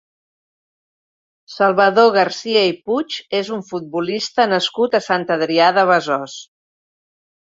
Salvador Garcia i Puig és un futbolista nascut a Sant Adrià de Besòs.